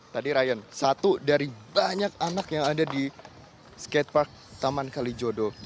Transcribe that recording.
tadi ryan satu dari banyak anak yang ada di skatepark taman kalijodo